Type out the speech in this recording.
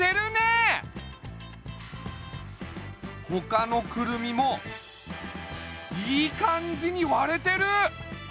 ほかのクルミもいい感じに割れてる！